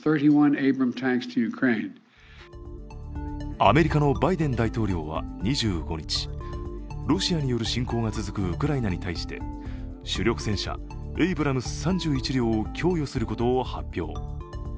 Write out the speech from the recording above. アメリカのバイデン大統領は２５日、ロシアによる侵攻が続くウクライナに対して、主力戦車・エイブラムス３１両を供与することを発表。